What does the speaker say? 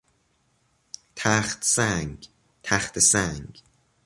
تخت سنگ، تخته سنگ